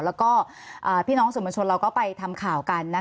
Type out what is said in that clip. แล้วก็พี่น้องสื่อมวลชนเราก็ไปทำข่าวกัน